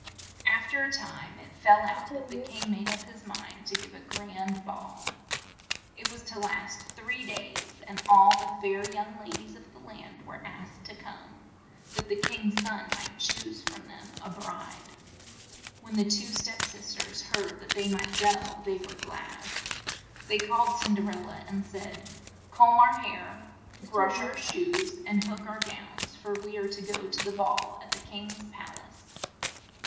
Aft er a time it fell out that the king made up his mind to give a grand ball. It was to last three days, and all the fair young la dies of the land were asked to come, that the king's son might choose |rom them a bride. When the two s£ep sis ters heard that they might go, they were glad. They called Cin der el la, and said, "Comb our hair, brush our shoes, and hook our gowns, for we are to go to the ball at the king's pal ace."